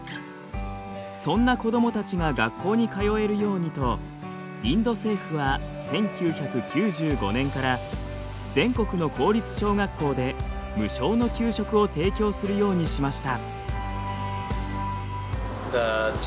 そんな子どもたちが学校に通えるようにとインド政府は１９９５年から全国の公立小学校で無償の給食を提供するようにしました。